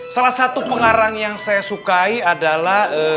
salah satu pengarang yang saya sukai adalah